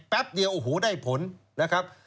แป๊บเดียวโอ้โหได้ผลนะครับ